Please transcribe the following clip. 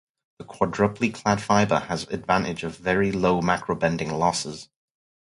A quadruply clad fiber has the advantage of very low macrobending losses.